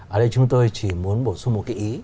ở đây chúng tôi chỉ muốn bổ sung một cái ý